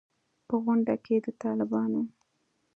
په غونډه کې د طالبانو